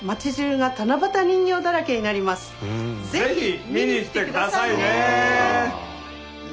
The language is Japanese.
是非見に来て下さいね！